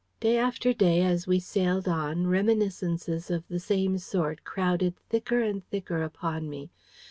Day after day, as we sailed on, reminiscences of the same sort crowded thicker and thicker upon me.